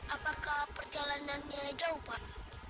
apakah perjalanannya jauh pak